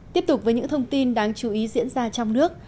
tiếp tục với những thông tin đáng chú ý diễn ra trong nước